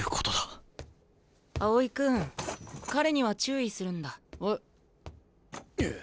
青井君彼には注意するんだ。え？